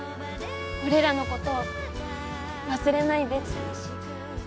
俺らのこと忘れないで。